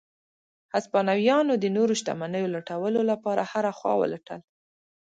هسپانویانو د نورو شتمنیو لټولو لپاره هره خوا ولټل.